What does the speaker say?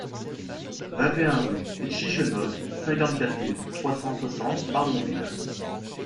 vingt et un rue des Chichenottes, cinquante-quatre mille trois cent soixante Barbonville